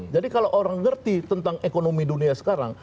jadi kalau orang ngerti tentang ekonomi dunia sekarang